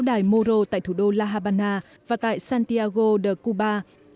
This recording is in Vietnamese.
đài moro tại thủ đô la habana và tại santiago de cuba